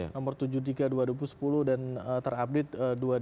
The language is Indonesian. nomor tujuh puluh tiga dua ribu sepuluh dan terupdate dua ribu dua puluh